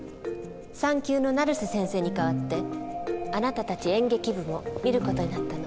産休の成瀬先生に代わってあなたたち演劇部も見る事になったの。